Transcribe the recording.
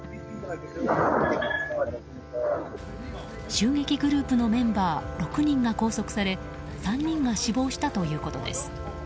襲撃グループのメンバー６人が拘束され３人が死亡したということです。